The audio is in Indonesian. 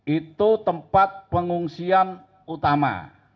itu tempat pengungsian utama